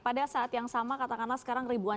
pada saat yang sama katakanlah sekarang ribuan